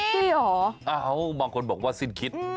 คิดเหรออ้าวบางคนบอกว่าสิ้นคิด